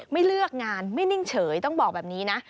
ไม่เลือกงานไม่นิ่งเฉยต้องบอกแบบนี้นะ